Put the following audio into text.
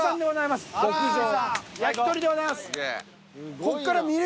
焼き鳥でございます。